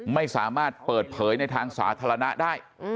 ไม่สามารถเปิดเผยในทางสาธารณะได้